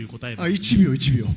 １秒、１秒。